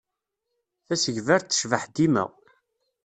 Tasegbart-a tecbeḥ dima.